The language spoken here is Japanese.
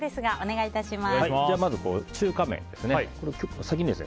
まず中華麺ですね